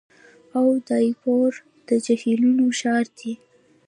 اودایپور د جهیلونو ښار دی.